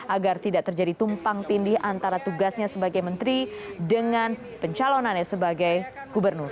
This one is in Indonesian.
agar tidak terjadi tumpang tindih antara tugasnya sebagai menteri dengan pencalonannya sebagai gubernur